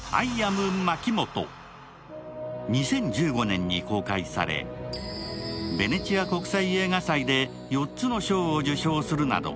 ２０１５年に公開され、ベネチア国際映画祭で４つの賞を受賞するなど